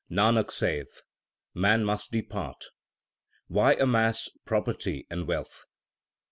1 Nanak saith, man must depart ; why amass property and wealth